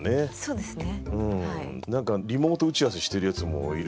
何かリモート打ち合わせしてるやつもいるしね。